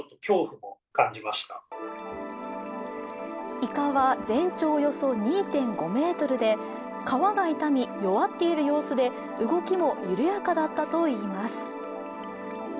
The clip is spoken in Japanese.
イカは全長およそ２．５ｍで皮が傷み、弱っている様子で動きも緩やかだったといいます。